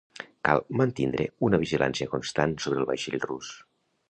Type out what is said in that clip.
Cal mantindre una vigilància constant sobre el vaixell rus.